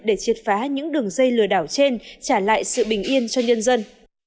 để triệt phá những đường dây lừa đảo trên trả lại sự bình yên cho nhân dân